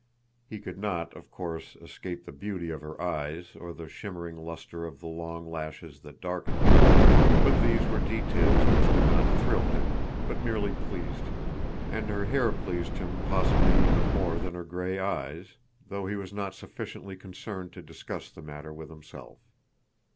He could not, of course, escape the beauty of her eyes or the shimmering luster of the long lashes that darkened them. But these were details which did not thrill him, but merely pleased him. And her hair pleased him possibly even more than her gray eyes, though he was not sufficiently concerned to discuss the matter with himself.